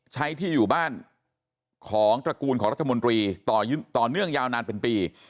ที่อยู่บ้านของตระกูลของรัฐมนตรีต่อเนื่องยาวนานเป็นปี